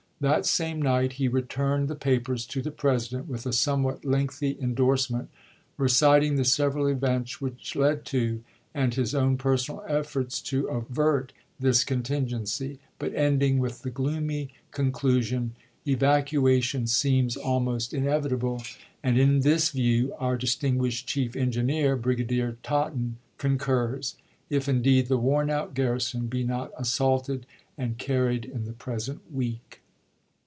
That same night he returned the papers to the President with a somewhat lengthy indorsement reciting the several events which led to, and his own personal efforts to avert, this con tingency, but ending with the gloomy conclusion : "Evacuation seems almost inevitable, and in this view our distinguished Chief Engineer (Brigadier Totten) concurs — if indeed the worn out garrison be not assaulted and carried in the present week."